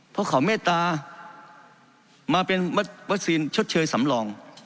เพราะเขาเมตตามาเป็นวัคซีนชดเชยสำรอง